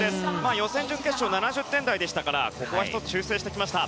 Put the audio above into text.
予選、準決勝７０点台でしたからここは１つ修正してきました。